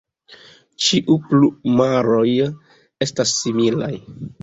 Ĉiu plumaroj estas similaj.